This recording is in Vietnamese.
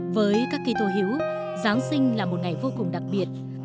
với các kỳ tổ hiếu giáng sinh là một ngày vô cùng đặc biệt